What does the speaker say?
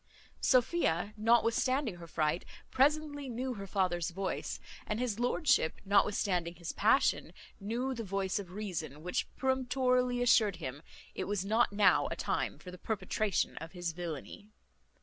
Sophia, notwithstanding her fright, presently knew her father's voice; and his lordship, notwithstanding his passion, knew the voice of reason, which peremptorily assured him, it was not now a time for the perpetration of his villany.